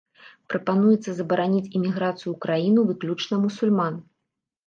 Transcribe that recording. Прапануецца забараніць эміграцыю ў краіну выключна мусульман.